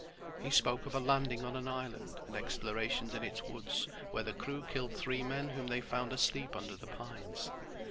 He spoke of a landing on an island and explorations in its woods, where the crew killed three men whom they found asleep under the pines.